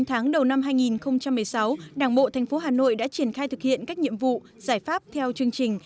chín tháng đầu năm hai nghìn một mươi sáu đảng bộ tp hà nội đã triển khai thực hiện các nhiệm vụ giải pháp theo chương trình